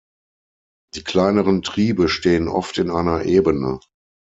Die kleineren Triebe stehen oft in einer Ebene.